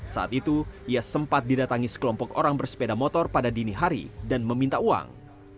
saat itu ia sempat didatangi sekelompok orang bersepeda motor pada dini hari dan meminta uang